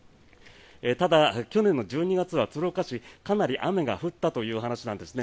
ただ、去年の１２月は鶴岡市、かなり雨が降ったという話なんですね。